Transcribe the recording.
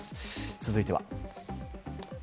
続いては。